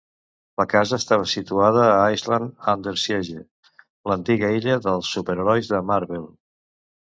La casa estava situada a "Island under Siege", l'antiga illa dels superherois de Marvel.